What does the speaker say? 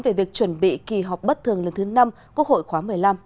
về việc chuẩn bị kỳ họp bất thường lần thứ năm quốc hội khóa một mươi năm